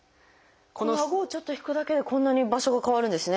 このあごをちょっと引くだけでこんなに場所が変わるんですね。